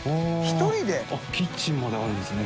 キッチンまであるんですね